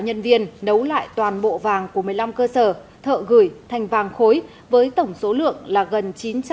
nhân viên nấu lại toàn bộ vàng của một mươi năm cơ sở thợ gửi thành vàng khối với tổng số lượng là gần chín trăm tám mươi bảy